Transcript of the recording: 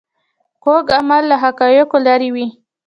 کوږ عمل له حقایقو لیرې وي